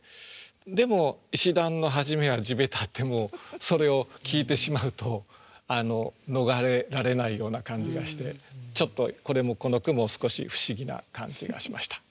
でも「石段のはじめは地べた」ってもうそれを聞いてしまうと逃れられないような感じがしてちょっとこれもこの句も少し不思議な感じがしました。